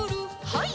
はい。